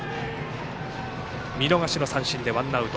見逃し三振でワンアウト。